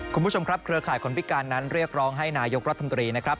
คุณผู้ชมครับเครือข่ายคนพิการนั้นเรียกร้องให้นายกรัฐมนตรีนะครับ